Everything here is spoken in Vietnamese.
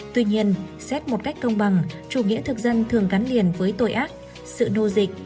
tuy nhiên xét một cách công bằng chủ nghĩa thực dân thường gắn liền với tội ác sự nô dịch